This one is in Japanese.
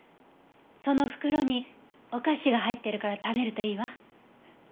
その袋にお菓子が入ってるから食べるといいわ。